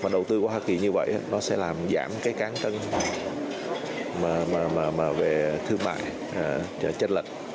đầu tư của hoa kỳ như vậy sẽ giảm cán cân về thương mại chân lệch